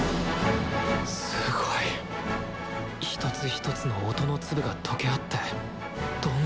すごい！一つ一つの音の粒が溶け合ってどんどん膨らんでいく。